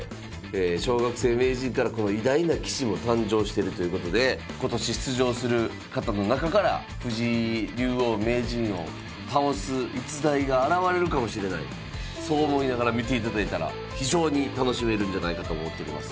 小学生名人からこの偉大な棋士も誕生してるということで今年出場する方の中からそう思いながら見ていただいたら非常に楽しめるんじゃないかと思っております。